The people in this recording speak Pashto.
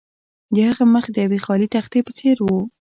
د هغه مخ د یوې خالي تختې په څیر و